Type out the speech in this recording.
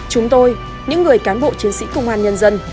chúng tôi những người cán bộ chiến sĩ công an nhân dân